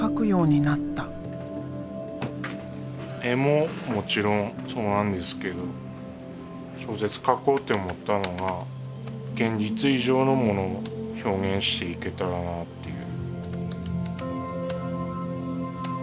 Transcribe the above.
絵ももちろんそうなんですけど小説書こうって思ったのが現実以上のものを表現していけたらなっていう。